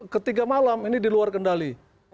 ketiga malam ini diluar kendali